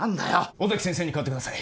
尾崎先生に代わってください